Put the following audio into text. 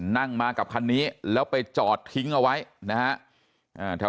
นั่งมากับคันนี้แล้วไปจอดทิ้งเอาไว้นะฮะ